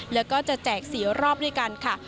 แล้วก็จะแจก๔รอบด้วยกันค่ะ